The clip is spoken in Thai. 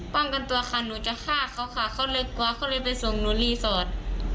ป้องกันตัวค่ะหนูจะฆ่าเขาค่ะเขาเลยกลัวเขาเลยไปส่งหนูรีสอร์ท